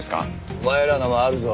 お前らのもあるぞ。